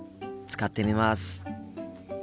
使ってみます。